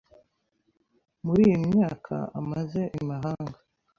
Muri iyi myaka amaze imahanga,